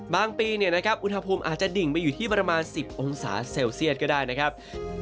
ปีอุณหภูมิอาจจะดิ่งไปอยู่ที่ประมาณ๑๐องศาเซลเซียตก็ได้นะครับ